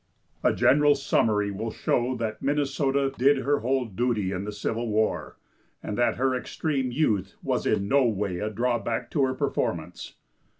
A general summary will show that Minnesota did her whole duty in the Civil War, and that her extreme youth was in no way a drawback to her performance.